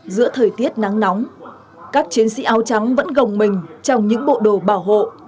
giữa thời tiết nắng nóng các chiến sĩ áo trắng vẫn gồng mình trong những bộ đồ bảo hộ